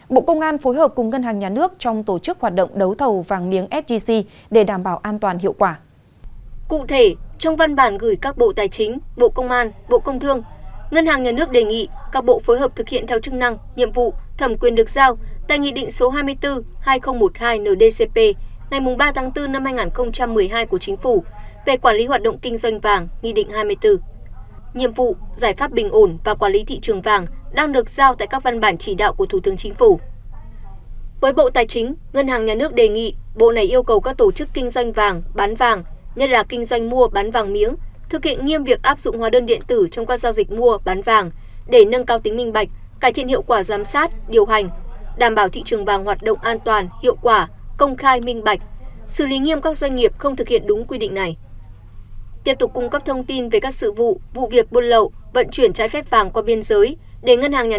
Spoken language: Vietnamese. đối với bộ công an ngân hàng nhà nước đề nghị thực hiện nhiệm vụ tại công điện số hai mươi ba cdttg ngày hai mươi tháng ba năm hai nghìn hai mươi bốn về tăng cường các biện pháp quản lý thị trường vàng